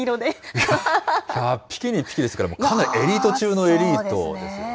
１００匹に１匹ですから、かなりエリート中のエリートですよね。